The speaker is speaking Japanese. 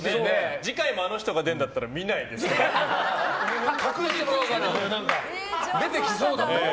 次回もあの人が出るんだったら見ないんですけど。